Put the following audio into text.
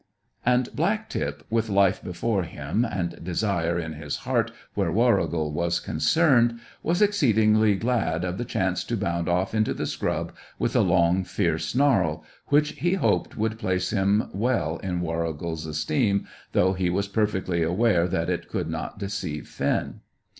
And Black tip, with life before him and desire in his heart where Warrigal was concerned, was exceedingly glad of the chance to bound off into the scrub with a long, fierce snarl, which he hoped would place him well in Warrigal's esteem, though he was perfectly aware that it could not deceive Finn.